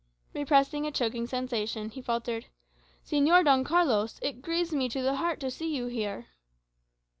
Repressing a choking sensation, he faltered, "Señor Don Carlos, it grieves me to the heart to see you here."